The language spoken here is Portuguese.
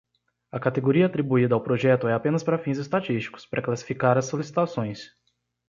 A categoria atribuída ao projeto é apenas para fins estatísticos, para classificar as solicitações.